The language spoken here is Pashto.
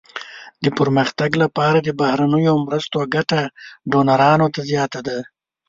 د پرمختګ لپاره د بهرنیو مرستو ګټه ډونرانو ته زیاته ده.